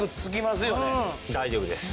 大丈夫です。